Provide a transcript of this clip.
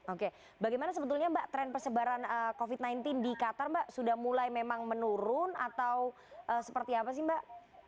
oke bagaimana sebetulnya mbak tren persebaran covid sembilan belas di qatar mbak sudah mulai memang menurun atau seperti apa sih mbak